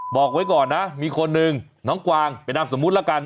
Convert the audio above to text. บอกไว้ก่อนนะมีคนหนึ่งน้องกวางเป็นนามสมมุติละกัน